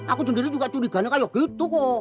aku sendiri juga curiganya kalau gitu kok